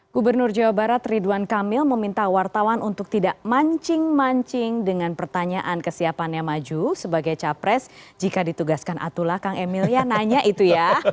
gubernur jawa barat ridwan kamil meminta wartawan untuk tidak mancing mancing dengan pertanyaan kesiapannya maju sebagai capres jika ditugaskan atula kang emil ya nanya itu ya